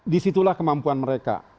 disitulah kemampuan mereka